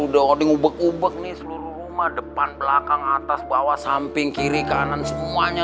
udah diubek ubek nih seluruh rumah depan belakang atas bawah samping kiri kanan semuanya